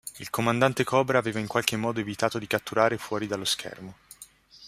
Il comandante Cobra aveva in qualche modo evitato di catturare fuori dallo schermo.